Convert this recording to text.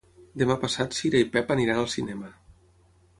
Demà passat na Cira i en Pep iran al cinema.